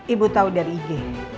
ibu tahu dari ig